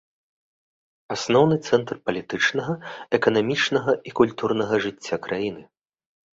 Асноўны цэнтр палітычнага, эканамічнага і культурнага жыцця краіны.